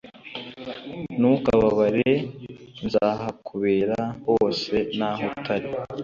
Ntukababare nzahakubera hose naho utari